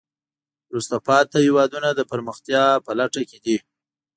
وروسته پاتې هېوادونه د پرمختیا په لټه کې دي.